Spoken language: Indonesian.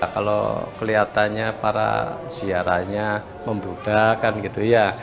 kalau kelihatannya para siaranya membudakan gitu ya